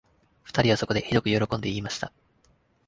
二人はそこで、ひどくよろこんで言いました